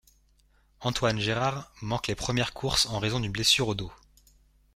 Antoine Gérard manque les premières courses en raison d'une blessure au dos.